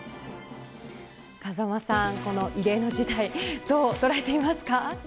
風間さん、この異例の事態どう捉えていますか。